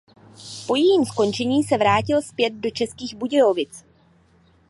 Po jejím skončení se vrátil zpět do Českých Budějovic.